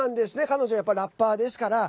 彼女、やっぱラッパーですから。